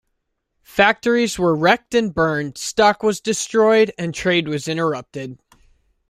Factories were wrecked and burned, stock was destroyed, and trade was interrupted.